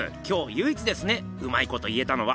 ゆいいつですねうまいこと言えたのは。